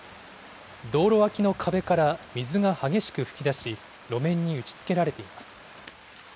道路脇の壁から水が激しく噴き出し、路面に打ちつけられています。